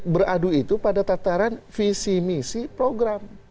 beradu itu pada tataran visi misi program